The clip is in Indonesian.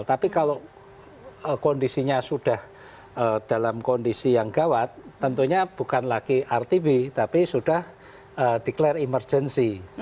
tapi kalau kondisinya sudah dalam kondisi yang gawat tentunya bukan lagi rtb tapi sudah declare emergency